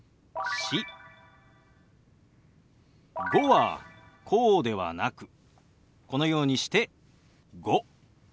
「５」はこうではなくこのようにして「５」。